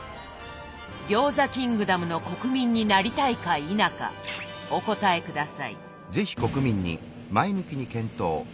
餃子キングダムの国民になりたいか否かお答え下さい。